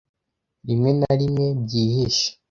rimwe na rimwe byihishe